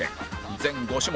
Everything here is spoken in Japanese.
全５種目